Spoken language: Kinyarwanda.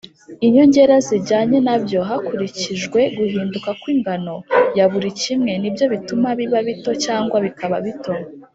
inyongera zijyanye na byo hakurikijwe guhinduka kw’ingano yaburi kimwe nibyo bituma biba bito cyangwa bikaba bito.